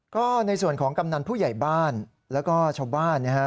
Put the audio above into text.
ก็ในส่วนของกำนันผู้ใหญ่บ้านแล้วก็ชาวบ้านนะฮะ